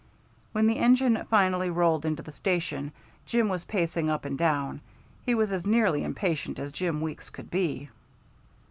When the engine finally rolled into the station Jim was pacing up and down; he was as nearly impatient as Jim Weeks could be.